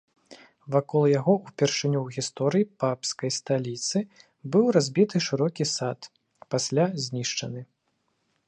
Вакол яго ўпершыню ў гісторыі папскай сталіцы быў разбіты шырокі сад, пасля знішчаны.